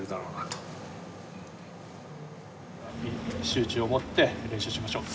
集中を持って練習しましょう。